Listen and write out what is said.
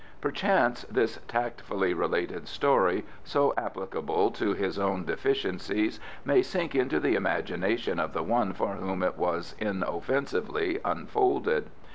Perchance this tactfully related story, so applicable to his own deficiencies, may sink into the imagination of the one for whom it was inoffensively unfolded.